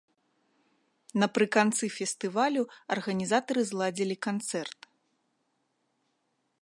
Напрыканцы фестывалю арганізатары зладзілі канцэрт.